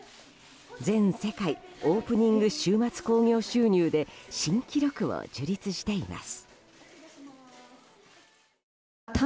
全世界オープニング週末興行収入で新記録を樹立しています。